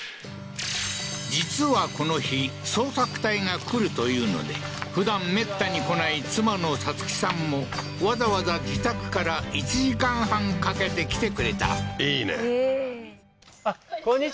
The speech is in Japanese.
実はこの日捜索隊が来るというのでふだんめったに来ない妻のさつきさんもわざわざ自宅から１時間半かけて来てくれたいいねええー